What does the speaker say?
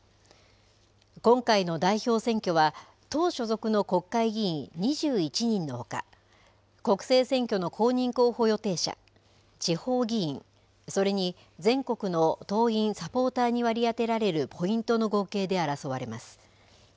今回の代表選挙は党所属の国会議員２１人のほか国政選挙の公認候補予定者地方議員、それに全国の党員サポーターに割り当てられるポイントの合計で争われます。